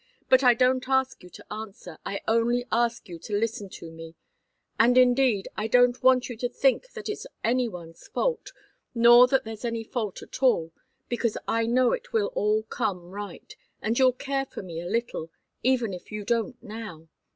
"But I don't ask you to answer, I only ask you to listen to me and, indeed, I don't want you to think that it's any one's fault, nor that there's any fault at all, because I know it will all come right, and you'll care for me a little, even if you don't now.